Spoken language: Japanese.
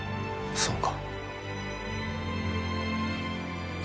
そうか。